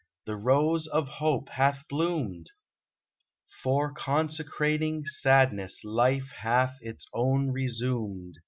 The rose of hope hath bloomed ! For, consecrating sadness, Life hath its own resumed.